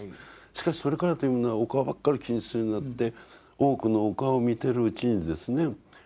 しかしそれからというものはお顔ばっかり気にするようになって多くのお顔を見てるうちにですね